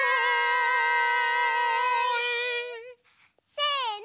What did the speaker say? せの。